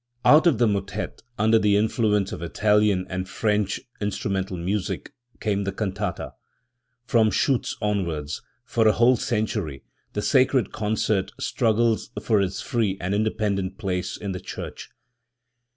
Out of the motet, under the influence of Italian and French instrumental music, came the cantata. From Schiitz onwards, for a whole century, the sacred concert struggles for its free and independent place in the church.